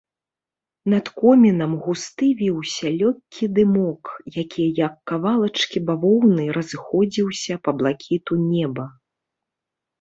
Над комінам гуты віўся лёгкі дымок, які, як кавалачкі бавоўны, разыходзіўся па блакіту неба.